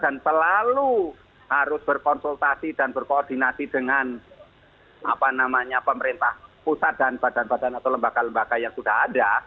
dan selalu harus berkonsultasi dan berkoordinasi dengan pemerintah pusat dan badan badan atau lembaga lembaga yang sudah ada